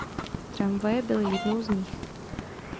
Tramvaje byly jednou z nich.